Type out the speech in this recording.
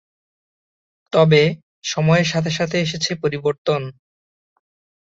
তবে সময়ের সাথে সাথে এসেছে পরিবর্তন।